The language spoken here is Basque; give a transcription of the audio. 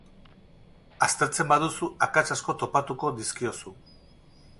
Aztertzen baduzu, akats asko topatuko dizkiozu.